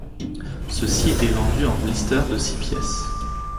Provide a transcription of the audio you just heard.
Ceux-ci étaient vendus en blisters de six pièces.